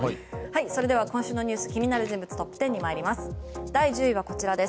それでは、今週のニュース気になる人物トップ１０に参ります。